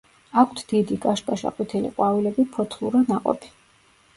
აქვთ დიდი, კაშკაშა ყვითელი ყვავილები, ფოთლურა ნაყოფი.